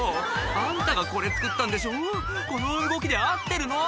「あんたがこれ作ったんでしょこの動きで合ってるの？」